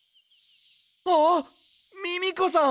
ああっミミコさん！